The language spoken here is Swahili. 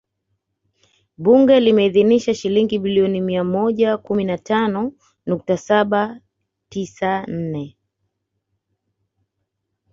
Bunge limeidhinisha Shilingi bilioni mia moja kumi na tano nukta saba tisa nne